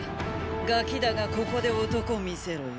ガキだがここで男見せろよ。